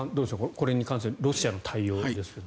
これに関してロシアの対応ですが。